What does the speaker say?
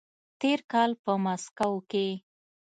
تېر کال په مسکو کې